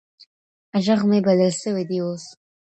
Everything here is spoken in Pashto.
ږغ مي بدل سويدی اوس.